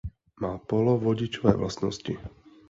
Má polovodičové vlastnosti.